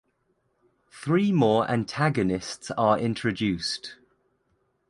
Three more antagonists are introduced.